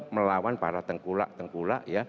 melawan para tengkulak tengkulak ya